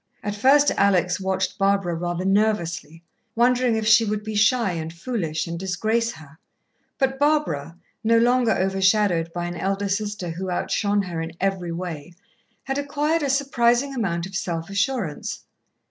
At first Alex watched Barbara rather nervously, wondering if she would be shy and foolish, and disgrace her, but Barbara, no longer over shadowed by an elder sister who outshone her in every way, had acquired a surprising amount of self assurance.